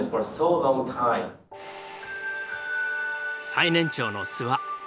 最年長の諏訪。